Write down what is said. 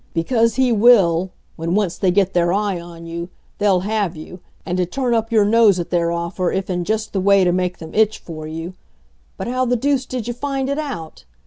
Because he will when once they get their eye on you, they'll have you; and to turn up your nose at their offer if in just the way to make them itch for you. But how the deuce did you find it out?